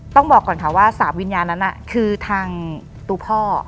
ต้องบอกก่อนค่ะว่า๓วิญญาณนั้นคือทางตัวพ่อ